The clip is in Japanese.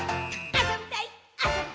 「あそびたいっ！！」